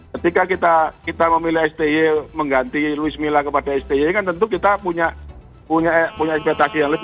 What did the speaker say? ketika kita memilih sti mengganti luis mila kepada sti kan tentu kita punya ekspektasi yang lebih